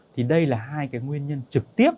thì đây là hai cái nguyên nhân trực tiếp